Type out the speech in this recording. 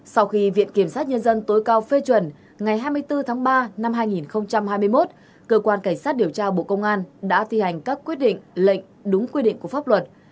sau khi viện kiểm sát nhân dân tối cao phê chuẩn ngày hai mươi bốn tháng ba năm hai nghìn hai mươi một cơ quan cảnh sát điều tra bộ công an đã thi hành các quyết định lệnh đúng quy định của pháp luật